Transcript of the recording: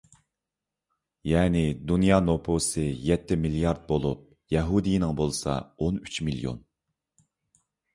يەنى، دۇنيا نوپۇسى يەتتە مىليارد بولۇپ، يەھۇدىينىڭ بولسا ئون ئۈچ مىليون.